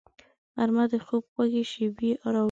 غرمه د خوب خوږې شېبې راوړي